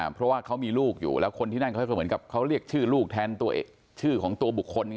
เพราะว่าเขามีลูกอยู่แล้วคนที่นั่นเขาก็เหมือนกับเขาเรียกชื่อลูกแทนชื่อของตัวบุคคล